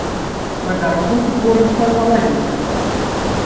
На дарогах утворыцца галалёдзіца.